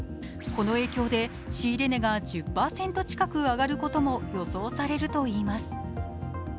この影響で仕入れ値が１０％近く上がることも予想されるといいます。